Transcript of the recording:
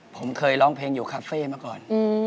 ผมเคยร้องเพลงอยู่คาเฟ่มาก่อน